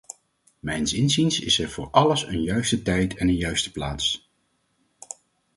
Mijns inziens is er voor alles een juiste tijd en een juiste plaats.